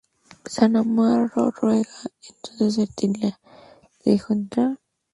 San Amaro ruega entonces al centinela que le deje entrar.